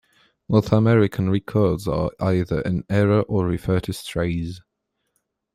North American records are either in error or refer to strays.